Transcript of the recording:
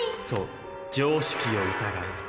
そう「常識を疑え」